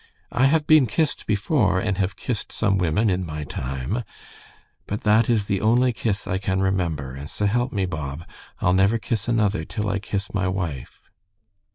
I have been kissed before, and have kissed some women in my time, but that is the only kiss I can remember, and s'help me Bob, I'll never kiss another till I kiss my wife.